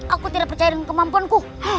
aku tidak percaya dengan kemampuanku